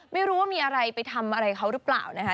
ไม่รู้ว่ามีอะไรไปทำอะไรเขาหรือเปล่านะคะ